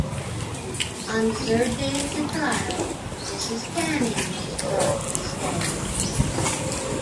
On the third day of the trial, Mrs Canning was brought to the stand.